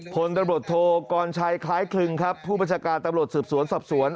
คนตับรดโทกรชัยคล้ายครึ่งครับผู้บัชกาลตับรดสืบสวนสบสวน